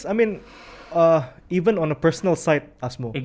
anda telah berlari banyak